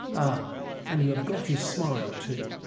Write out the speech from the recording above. Ah! and you have got his smile too!